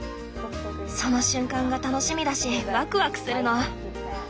その瞬間が楽しみだしワクワクするの。